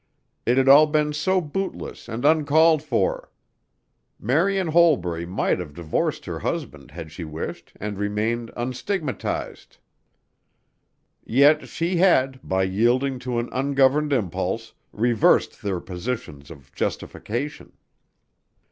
It had all been so bootless and uncalled for! Marian Holbury might have divorced her husband had she wished, and remained unstigmatized. Yet she had, by yielding to an ungoverned impulse, reversed their positions of justification.